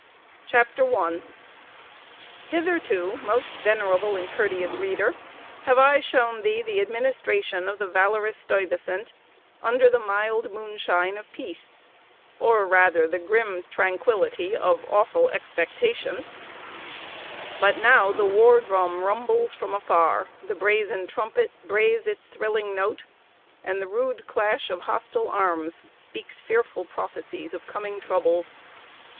CHAPTER I. Hitherto, most venerable and courteous reader, have I shown thee the administration of the valorous Stuyvesant, under the mild moonshine of peace, or rather the grim tranquillity of awful expectation; but now the war drum rumbles from afar, the brazen trumpet brays its thrilling note, and the rude clash of hostile arms speaks fearful prophecies of coming troubles.